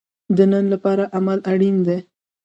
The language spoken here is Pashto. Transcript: د نن لپاره عمل اړین دی